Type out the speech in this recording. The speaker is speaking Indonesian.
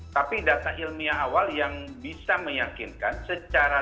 tapi data ilmiah awal yang bisa meyakinkan secara